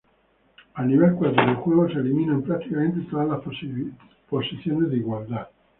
Al nivel cuatro de juego, se eliminan prácticamente todas las posiciones de igualdad.